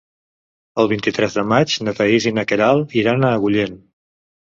El vint-i-tres de maig na Thaís i na Queralt iran a Agullent.